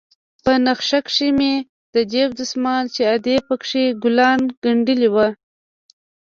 په نخښه کښې مې د جيب دسمال چې ادې پکښې ګلان گنډلي وو.